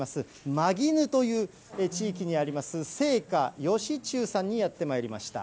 馬絹という地域にあります、生花吉忠さんにやってまいりました。